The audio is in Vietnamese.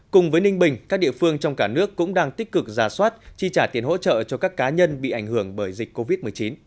cùng với ninh bình các địa phương trong cả nước cũng đang tích cực giả soát chi trả tiền hỗ trợ cho các cá nhân bị ảnh hưởng bởi dịch covid một mươi chín